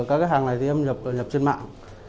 các hàng này em nhập trên mạng